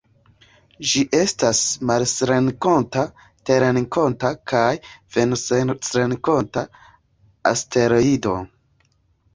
Ĝi estas marsrenkonta, terrenkonta kaj venusrenkonta asteroido.